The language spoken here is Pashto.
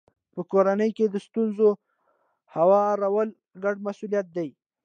په کورنۍ کې د ستونزو هوارول ګډ مسولیت دی.